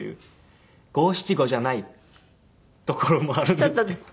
五七五じゃないところもあるんですけど。